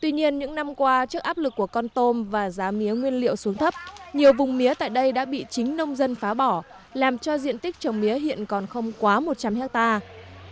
tuy nhiên những năm qua trước áp lực của con tôm và giá mía nguyên liệu xuống thấp nhiều vùng mía tại đây đã bị chính nông dân phá bỏ làm cho diện tích trồng mía hiện còn không quá một trăm linh hectare